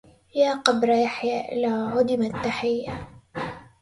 يا قبر يحيى لا عدمت تحية